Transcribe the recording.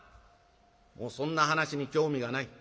もうそんな話に興味がない。